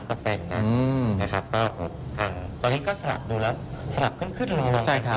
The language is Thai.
ก็ฯครั้งตอนนี้ก็สนับดูแล้วสนับขึ้นขึ้นลงบ๊ายดีมาก